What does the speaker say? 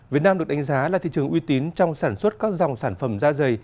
việt nam được đánh giá là thị trường uy tín trong sản xuất các dòng sản phẩm da dày